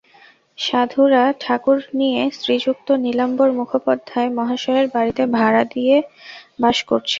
সাধুরা ঠাকুর নিয়ে শ্রীযুক্ত নীলাম্বর মুখোপাধ্যায় মহাশয়ের বাড়ীতে ভাড়া দিয়ে বাস করছেন।